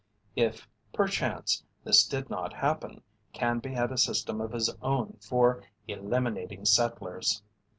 If, perchance, this did not happen, Canby had a system of his own for eliminating settlers.